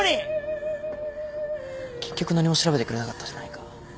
結局何も調べてくれなかったじゃないか。